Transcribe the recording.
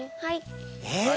はい。